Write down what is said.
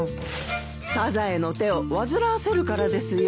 サザエの手を煩わせるからですよ。